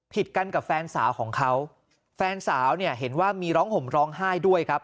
ผิดกันกับแฟนสาวของเขาแฟนสาวเนี่ยเห็นว่ามีร้องห่มร้องไห้ด้วยครับ